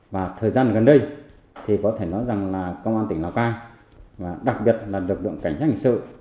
và thời gian gần đây thì có thể nói rằng là công an tỉnh lào cai và đặc biệt là lực lượng cảnh sát hình sự